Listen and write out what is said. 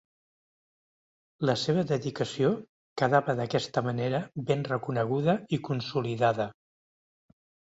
La seva dedicació quedava d'aquesta manera ben reconeguda i consolidada.